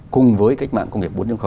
cùng với kinh mạng công nghiệp bốn